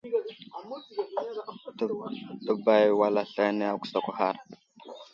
Ɗəbay wal ane agusakw ghar.